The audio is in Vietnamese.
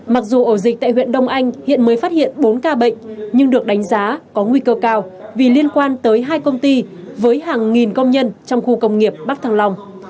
mặc dù ổ dịch tại huyện đông anh hiện mới phát hiện bốn ca bệnh nhưng được đánh giá có nguy cơ cao vì liên quan tới hai công ty với hàng nghìn công nhân trong khu công nghiệp bắc thăng long